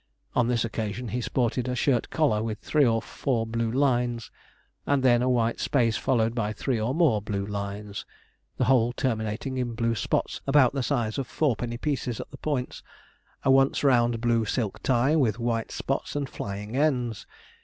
On this occasion he sported a shirt collar with three or four blue lines, and then a white space followed by three or more blue lines, the whole terminating in blue spots about the size of fourpenny pieces at the points; a once round blue silk tie, with white spots and flying ends.